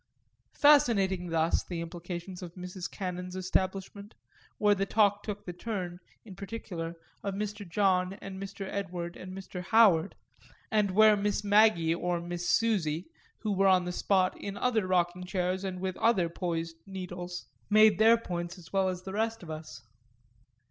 Fascinating thus the implications of Mrs. Cannon's establishment, where the talk took the turn, in particular, of Mr. John and Mr. Edward and Mr. Howard, and where Miss Maggie or Miss Susie, who were on the spot in other rocking chairs and with other poised needles, made their points as well as the rest of us.